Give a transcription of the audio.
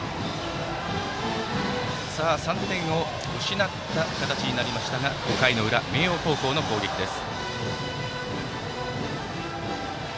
３点を失った形になりましたが５回裏の明桜高校の攻撃です。